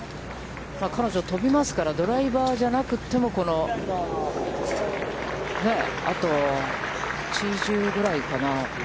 彼女、飛びますから、ドライバーじゃなくても、あと８０ぐらいかな。